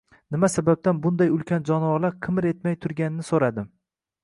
nima sababdan bunday ulkan jonivorlar qimir etmay turganini so'radim.